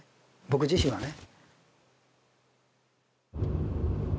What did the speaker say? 僕自身はね。